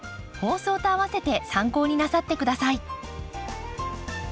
放送とあわせて参考になさって下さい。